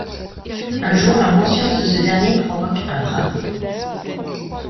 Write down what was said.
Un jour, l'inconscience de ce dernier provoque un drame...